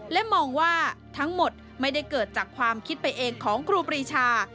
และมองว่าทั้งหมดไม่ได้เกิดจากความคิดไปเองของครูปรีชา